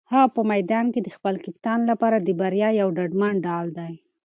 هغه په میدان کې د خپل کپتان لپاره د بریا یو ډاډمن ډال دی.